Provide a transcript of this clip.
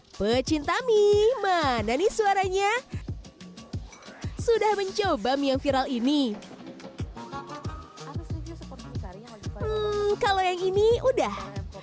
hai pecinta mi mana nih suaranya sudah mencoba yang viral ini kalau yang ini udah